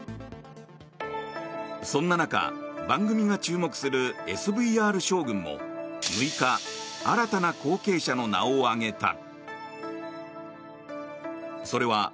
そんな中、番組が注目するＳＶＲ将軍も６日、新たな後継者の名を挙げた。